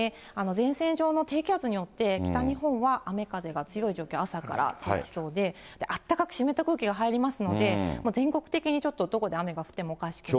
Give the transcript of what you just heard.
前線上の低気圧によって、北日本は雨風が強い状況、朝から続きそうで、あったかく湿った空気が入りますので、全国的にちょっとどこで雨が降ってもおかしくない。